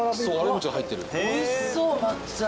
おいしそう抹茶。